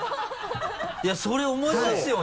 いやそれ思いますよね。